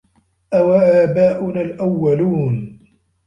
أَوَآباؤُنَا الأَوَّلونَ